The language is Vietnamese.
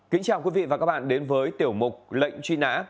kính chào quý vị và các bạn đến với tiểu mục lệnh truy nã